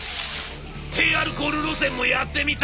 「低アルコール路線もやってみた！」。